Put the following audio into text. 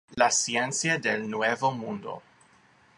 La ciencia del nuevo mundo.